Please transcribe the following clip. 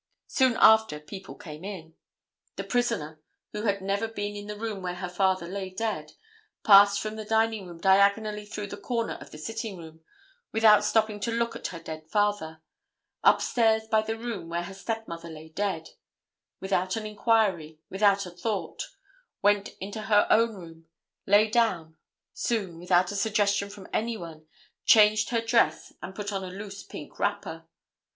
Soon after people came in. The prisoner, who had never been in the room where her father lay dead, passed from the dining room diagonally through the corner of the sitting room, without stopping to look at her dead father, upstairs by the room where her step mother lay dead, without an inquiry, without a thought; went into her own room, lay down; soon, without a suggestion from any one, changed her dress and put on a loose pink wrapper.